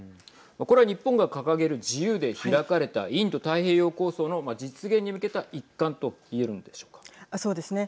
これは日本が掲げる自由で開かれたインド太平洋構想の実現に向けた一環とそうですね。